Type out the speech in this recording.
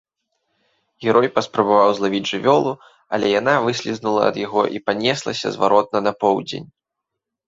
Герой паспрабаваў злавіць жывёлу, але яна выслізнула ад яго і панеслася зваротна на поўдзень.